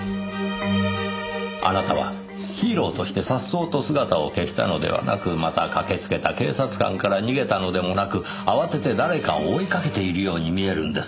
あなたはヒーローとしてさっそうと姿を消したのではなくまた駆けつけた警察官から逃げたのでもなく慌てて誰かを追いかけているように見えるんです。